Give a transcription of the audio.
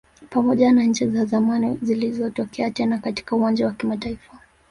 Pamoja na nchi za zamani zilizotokea tena katika uwanja wa kimataifa